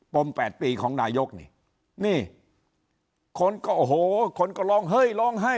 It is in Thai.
ม๘ปีของนายกนี่นี่คนก็โอ้โหคนก็ร้องเฮ้ยร้องไห้